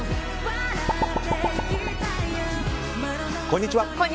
こんにちは。